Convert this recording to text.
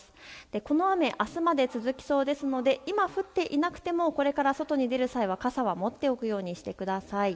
この雨あすまで続きそうですので今、降っていなくてもこれから外に出る際は傘を持っておくようにしてください。